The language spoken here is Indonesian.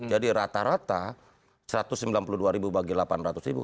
jadi rata rata satu ratus sembilan puluh dua ribu bagi delapan ratus ribu